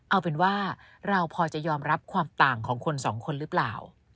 เอาเป็นว่าเราพอจะยอมรับความต่างของคนสองคนหรือเปล่า